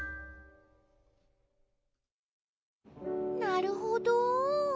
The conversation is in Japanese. なるほど。